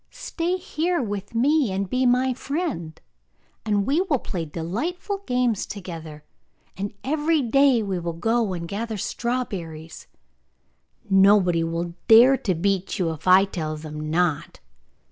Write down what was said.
Stay here with me and be my friend, and we will play delightful games together, and every day we will go and gather strawberries. Nobody will dare to beat you if I tell them not.